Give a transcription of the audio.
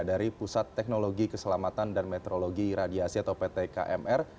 dari pusat teknologi keselamatan dan meteorologi radiasi atau ptkmr